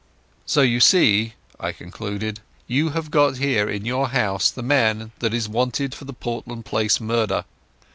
"So you see," I concluded, "you have got here in your house the man that is wanted for the Portland Place murder.